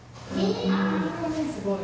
すごい。